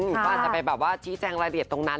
เขาอาจจะไปแบบว่าชี้แจงรายละเอียดตรงนั้น